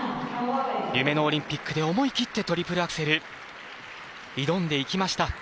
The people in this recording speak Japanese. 夢のオリンピックで思い切ってトリプルアクセル挑んでいきました。